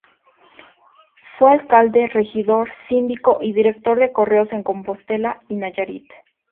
Fue alcalde, regidor, síndico y director de correos en Compostela,y Nayarit.